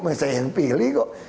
masa yang pilih kok